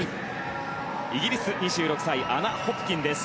イギリス、２６歳アナ・ホプキンです。